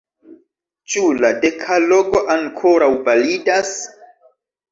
Ĉu la dekalogo ankoraŭ validas?